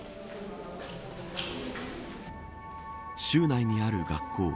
州内にある学校。